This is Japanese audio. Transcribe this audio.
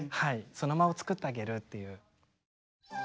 その「間」を作ってあげるという。